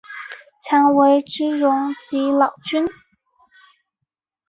强为之容即老君。